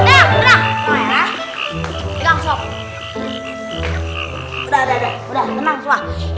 udah tenang sok